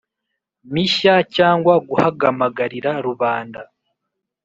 Mishya cyangwa guhagamagarira rubanda